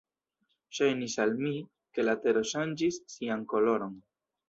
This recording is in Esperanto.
Ŝajnis al mi, ke la tero ŝanĝis sian koloron.